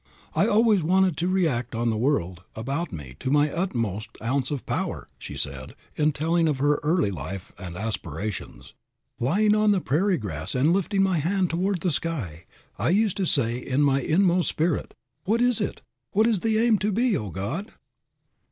"I always wanted to react on the world about me to my utmost ounce of power," she said in telling of her early life and aspirations. "Lying on the prairie grass and lifting my hand toward the sky, I used to say in my inmost spirit, 'What is it? What is the aim to be, O God?'"